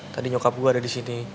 tadi nyokap gue ada disini